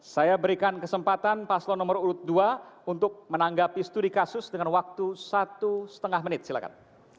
saya berikan kesempatan paslo nomor urut dua untuk menanggapi studi kasus dengan waktu satu lima menit silahkan